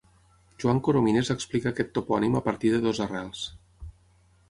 Joan Coromines explica aquest topònim a partir de dues arrels.